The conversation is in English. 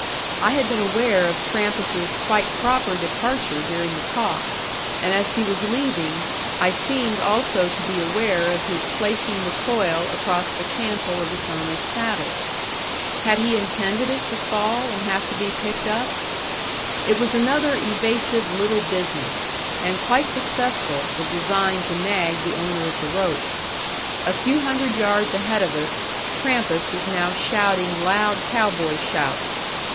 I had been aware of Trampas's quite proper departure during the talk; and as he was leaving, I seemed also to be aware of his placing the coil across the cantle of its owner's saddle. Had he intended it to fall and have to be picked up? It was another evasive little business, and quite successful, if designed to nag the owner of the rope. A few hundred yards ahead of us Trampas was now shouting loud cow boy shouts.